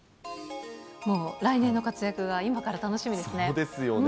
もう来年の活躍が今から楽しそうですよね。